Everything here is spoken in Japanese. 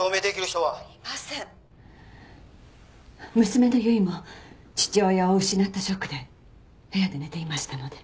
娘の由衣も父親を失ったショックで部屋で寝ていましたので。